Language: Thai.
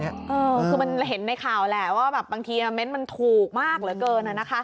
คือมันเห็นในข่าวแหละว่าแบบบางทีเมนต์มันถูกมากเหลือเกิน